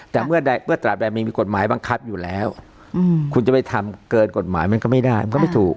แต่เมื่อใดเมื่อตราแบบใดมีกฎหมายบังคับอยู่แล้วคุณจะไปทำเกินกฎหมายมันก็ไม่ได้มันก็ไม่ถูก